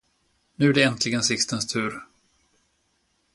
Nu är det äntligen Sixtens tur.